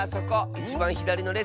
いちばんひだりのれつ。